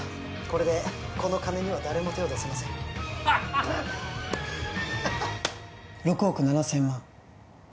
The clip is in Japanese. これでこの金には誰も手を出せませんハッハッ６億７０００万